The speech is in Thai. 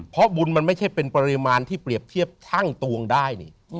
เพราะบุญมันไม่ใช่เป็นปริมาณที่เปรียบเทียบช่างตวงได้นี่